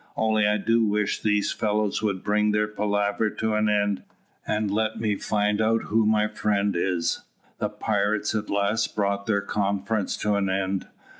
Only I do wish these fellows would bring their palaver to an end, and let me find out who my friend is." The pirates at last brought their conference to an end.